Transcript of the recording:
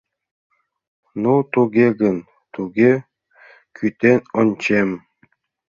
— Ну, туге гын, туге, кӱтен ончем.